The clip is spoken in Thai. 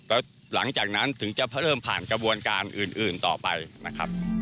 แล้วหลังจากนั้นถึงจะเริ่มผ่านกระบวนการอื่นต่อไปนะครับ